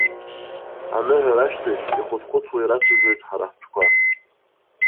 Аныҳәара ашьҭахь ихәыҭхәыҭуа ирацәажәоит ҳара ҳтәқәа.